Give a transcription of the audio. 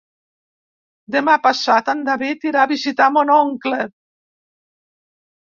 Demà passat en David irà a visitar mon oncle.